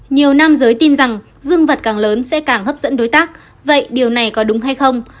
nhiều nam giới tin rằng dương vật càng lớn sẽ càng hấp dẫn đối tác vậy điều này có đúng hay không